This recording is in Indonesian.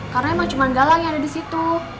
karena emang cuma galang yang ada di situ